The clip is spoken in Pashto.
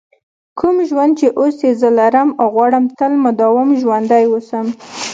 کوم ژوند چې اوس یې زه لرم غواړم تل مدام ژوندی ووسم.